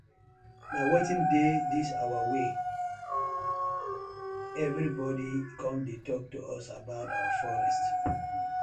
Na wetin dey dis our wey everi bodi com to tok to us abour our forest.